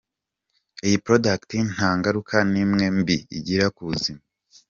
Iyi product nta ngaruka n’imwe mbi igira Ku buzima.